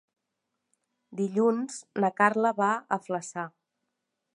Dilluns na Carla va a Flaçà.